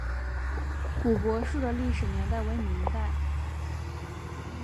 古柏树的历史年代为明代。